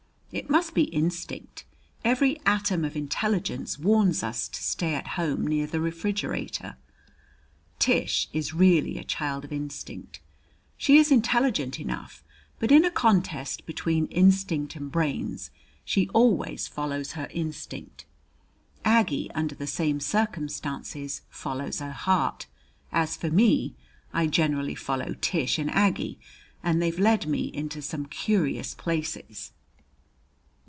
It must be instinct; every atom of intelligence warns us to stay at home near the refrigerator. Tish is really a child of instinct. She is intelligent enough, but in a contest between instinct and brains, she always follows her instinct. Aggie under the same circumstances follows her heart. As for me, I generally follow Tish and Aggie, and they've led me into some curious places.